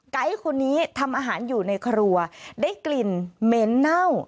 คนนี้ทำอาหารอยู่ในครัวได้กลิ่นเหม็นเน่า